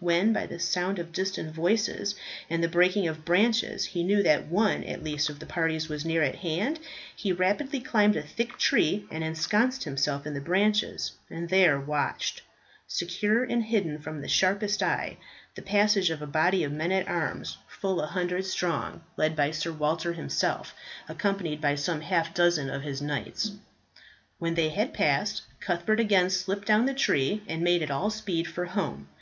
When by the sound of distant voices and the breaking of branches he knew that one at least of the parties was near at hand, he rapidly climbed a thick tree and ensconced himself in the branches, and there watched, secure and hidden from the sharpest eye, the passage of a body of men at arms fully a hundred strong, led by Sir Walter himself, accompanied by some half dozen of his knights. When they had passed, Cuthbert again slipped down the tree and made at all speed for home.